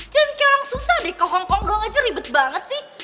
jangan kayak orang susah deh ke hongkong doang aja ribet banget sih